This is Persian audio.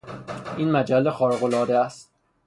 این مجله خارقالعاده است.